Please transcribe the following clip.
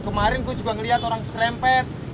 kemarin gua juga ngeliat orang diserempet